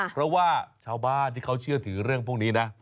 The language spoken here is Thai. เพราะว่าชาวบ้านที่เขาเชื่อถือเรื่องพวกนี้นะ